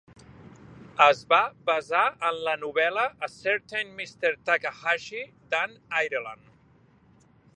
Es va basar en la novel·la "A Certain Mr. Takahashi", d'Ann Ireland.